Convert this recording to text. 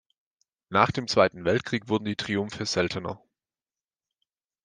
Nach dem Zweiten Weltkrieg wurden die Triumphe seltener.